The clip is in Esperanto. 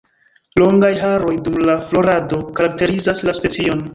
Longaj haroj dum la florado karakterizas la specion.